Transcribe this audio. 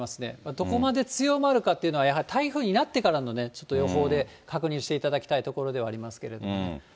どこまで強まるかというのは、やはり台風になってからのね、ちょっと予報で、確認していただきたいところではありますけどね。